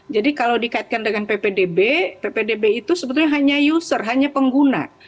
jadi kalau dikaitkan dengan ppdb ppdb itu sebetulnya hanya user hanya pengguna